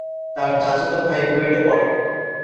তার চাচাতো ভাই বুয়েটে পড়ে।